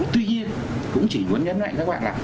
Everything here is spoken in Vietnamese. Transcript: tuy nhiên cũng chỉ muốn nhấn mạnh các bạn là